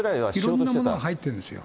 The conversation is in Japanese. いろんなものが入っているんですよ。